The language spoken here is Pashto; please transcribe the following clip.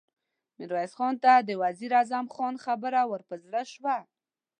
ميرويس خان ته د وزير اعظم خبره ور په زړه شوه.